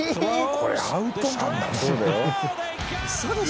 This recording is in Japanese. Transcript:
これアウトなんだもんね。